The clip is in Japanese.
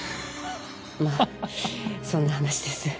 まあそんな話です。